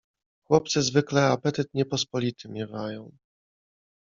"Chłopcy zwykle apetyt niepospolity miewają."